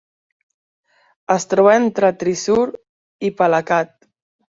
Es troba entre Thrissur i Palakkad.